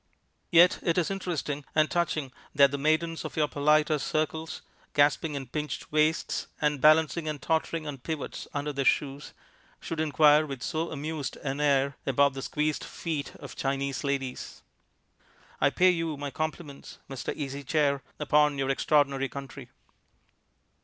Yet it is interesting and touching that the maidens of your politer circles, gasping in pinched waists, and balancing and tottering on pivots under their shoes, should inquire with so amused an air about the squeezed feet of Chinese ladies. I pay you my compliments, Mr. Easy Chair, upon your extraordinary country."